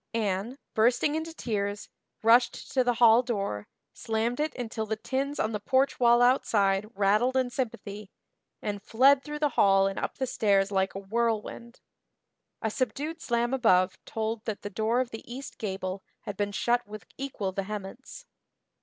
Anne, bursting into tears, rushed to the hall door, slammed it until the tins on the porch wall outside rattled in sympathy, and fled through the hall and up the stairs like a whirlwind. A subdued slam above told that the door of the east gable had been shut with equal vehemence.